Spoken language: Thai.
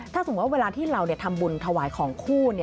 ถ้าสมมุติว่าเวลาที่เราทำบุญถวายของคู่